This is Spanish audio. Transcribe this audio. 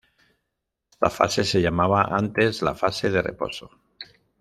Esta fase se llamaba antes la fase de reposo.